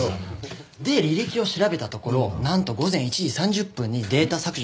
で履歴を調べたところなんと午前１時３０分にデータ削除した事がわかりました。